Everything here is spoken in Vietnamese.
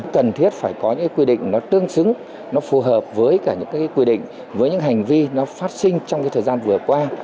cần thiết phải có những quy định nó tương xứng nó phù hợp với cả những quy định với những hành vi nó phát sinh trong thời gian vừa qua